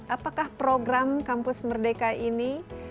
apakah program kampus merdeka ini